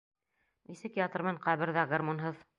Нисек ятырмын ҡәберҙә гармунһыҙ?